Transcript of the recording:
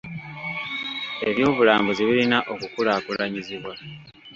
Ebyobulambuzi birina okukulaakulanyizibwa.